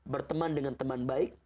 berteman dengan teman baik